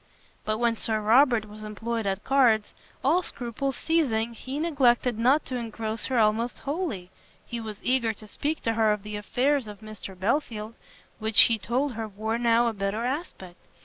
But when Sir Robert was employed at cards, all scruples ceasing, he neglected not to engross her almost wholly. He was eager to speak to her of the affairs of Mr Belfield, which he told her wore now a better aspect.